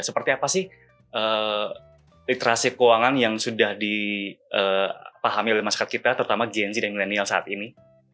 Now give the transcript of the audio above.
seperti apa sih literasi keuangan yang sudah dipahami oleh masyarakat kita terutama gen z dan milenial saat ini